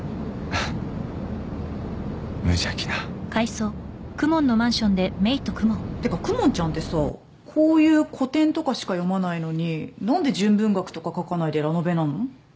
ふっ無邪気なってか公文ちゃんってさこういう古典とかしか読まないのになんで純文学とか書かないでラノベなの？